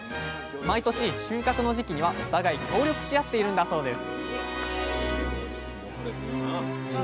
毎年収穫の時期にはお互い協力し合っているんだそうです